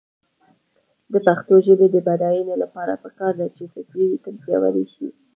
د پښتو ژبې د بډاینې لپاره پکار ده چې فطري ریتم پیاوړی شي.